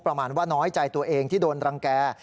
ประมาณว่าน้อยใจตัวเองที่โดนรังแก่